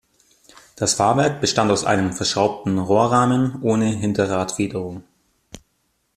Das Fahrwerk bestand aus einem verschraubten Rohrrahmen ohne Hinterradfederung.